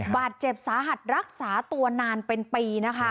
บาดเจ็บสาหัสรักษาตัวนานเป็นปีนะคะ